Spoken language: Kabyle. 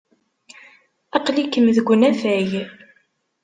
Aql-ikem deg unafag.